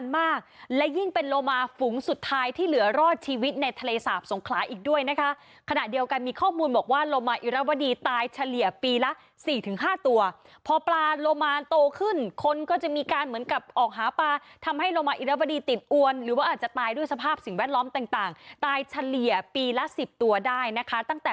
มากและยิ่งเป็นโลมาฝูงสุดท้ายที่เหลือรอดชีวิตในทะเลสาบสงขลาอีกด้วยนะคะขณะเดียวกันมีข้อมูลบอกว่าโลมาอิรวดีตายเฉลี่ยปีละ๔๕ตัวพอปลาโลมานโตขึ้นคนก็จะมีการเหมือนกับออกหาปลาทำให้โลมาอิรวดีติดอวนหรือว่าอาจจะตายด้วยสภาพสิ่งแวดล้อมต่างตายเฉลี่ยปีละสิบตัวได้นะคะตั้งแต่